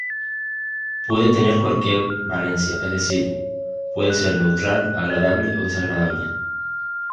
Puede tener cualquier valencia, es decir, puede ser neutral, agradable o desagradable.